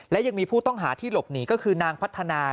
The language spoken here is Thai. และยังมีผู้ต้องหาที่หลบหนีก็คือนางพัฒนา